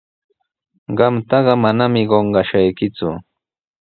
Qamtaqa manami qunqashaykiku.